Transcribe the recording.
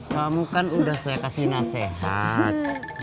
kamu kan udah saya kasih nasihat